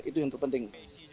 itu yang terpenting